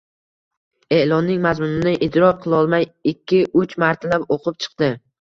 E`lonning mazmunini idrok qilolmay, ikki-uch martalab o`qib chiqdi